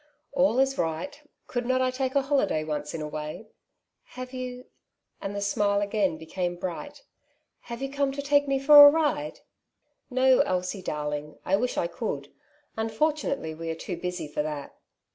" All is right. Could not I take holiday once in a way ?"" Have you "— and the smile again became bright —" have you come to take me for a ride ?" ''No, Elsie darling; I wish I could. Unfor tunately we are too busy for that.